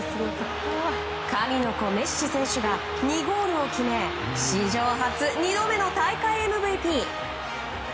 神の子、メッシ選手が２ゴールを決め史上初２度目の大会ＭＶＰ。